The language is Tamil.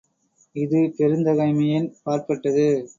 இது பெருந்தகைமையின் பாற்பட்டது.